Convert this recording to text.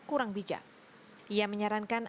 kurang bijak ia menyarankan